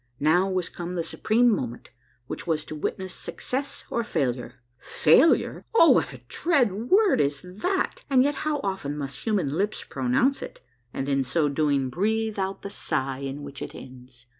Now was come the supreme moment which was to witness suecess or failure. Failure ! Oh, what a dread word is that! and yet how often must human lips pronounce it, and in so doing breathe out the sigh in which it ends